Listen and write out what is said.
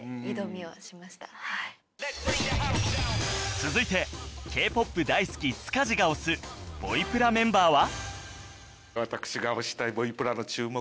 続いて Ｋ−ＰＯＰ 大好き塚地が推す『ボイプラ』メンバーは？